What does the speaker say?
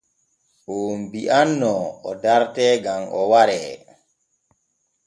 Oon bi’anoo o dartee gam o waree.